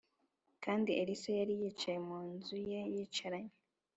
Kandi Elisa Yari Yicaye Mu Nzu Ye Yicaranye